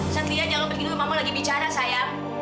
satria jangan begitu mama lagi bicara sayang